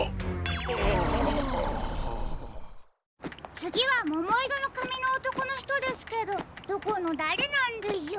つぎはももいろのかみのおとこのひとですけどどこのだれなんでしょう？